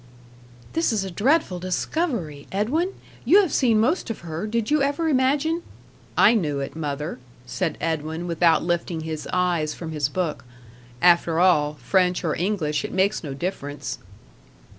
"This is a dreadful discovery. Edwin, you have seen most of her did you ever imagine " "I knew it, mother," said Edwin, without lifting his eyes from his book. "After all, French or English, it makes no difference."